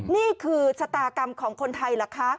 นี่คือชะตากรรมของคนไทยเหรอคะ